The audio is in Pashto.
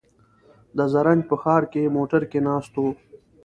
د زرنج په ښار کې موټر کې ناست و.